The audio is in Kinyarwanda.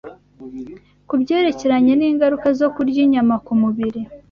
ku byerekeranye n’ingaruka zo kurya inyama ku mubiri,